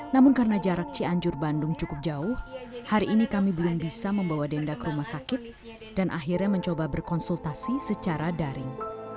namun karena jarak cianjur bandung cukup jauh hari ini kami belum bisa membawa denda ke rumah sakit dan akhirnya mencoba berkonsultasi secara daring